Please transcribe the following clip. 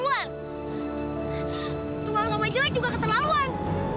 uang sama jelek juga keterlaluan